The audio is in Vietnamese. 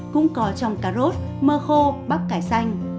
cũng có trong cà rốt mơ khô bắp cải xanh